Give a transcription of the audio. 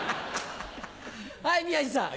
はい宮治さん。